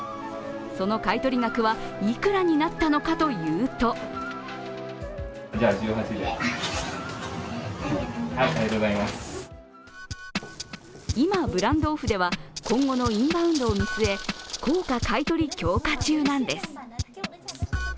その買取額はいくらになったのかというと今、ブランドオフでは今後のインバウンドを見据え高価買い取り強化中なんです。